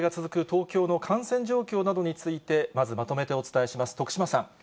東京の感染状況などについて、まず、まとめてお伝えします。